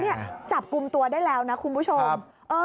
นี่จับกลุ่มตัวได้แล้วนะคุณผู้ชม